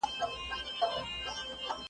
په ځالۍ کي کړېدله تپیدله .